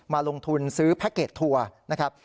ลงทุนซื้อแพ็คเกจทัวร์นะครับ